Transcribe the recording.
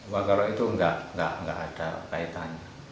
warga itu enggak ada kaitannya